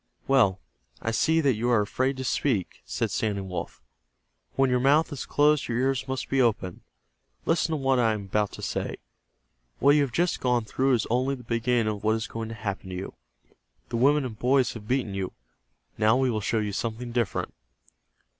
"Well, I see that you are afraid to speak," said Standing Wolf. "When your mouth is closed your ears must be open. Listen to what I am about to say. What you have just gone through is only the beginning of what is going to happen to you. The women and boys have beaten you. Now we will show you something different."